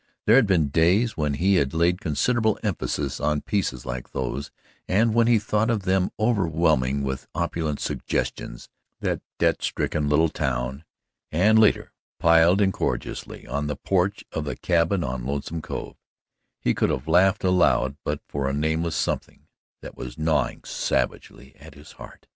There had been days when he had laid considerable emphasis on pieces like those, and when he thought of them overwhelming with opulent suggestions that debt stricken little town, and, later, piled incongruously on the porch of the cabin on Lonesome Cove, he could have laughed aloud but for a nameless something that was gnawing savagely at his heart.